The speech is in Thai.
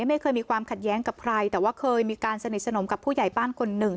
ไม่เคยมีความขัดแย้งกับใครแต่ว่าเคยมีการสนิทสนมกับผู้ใหญ่บ้านคนหนึ่ง